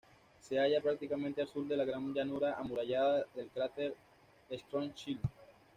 Se halla prácticamente al sur de la gran llanura amurallada del cráter Schwarzschild.